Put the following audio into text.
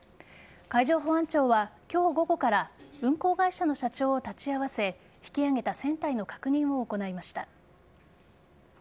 海上保安庁は今日午後から運航会社の社長を立ち会わせ引き揚げた船体の確認を行いました。